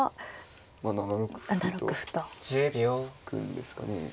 まあ７六歩と突くんですかね。